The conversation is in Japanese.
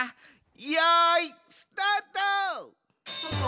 よいスタート！